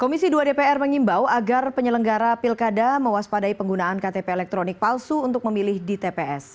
komisi dua dpr mengimbau agar penyelenggara pilkada mewaspadai penggunaan ktp elektronik palsu untuk memilih di tps